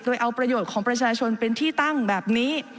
โดยเอาประโยชน์ของประชาชนเป็นที่ตั้งแบบนี้